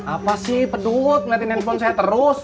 apa sih pedut ngeliatin handphone saya terus